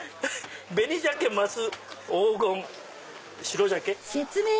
「紅鮭鱒黄金白鮭」。